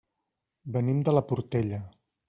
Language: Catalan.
Venim de la Portella.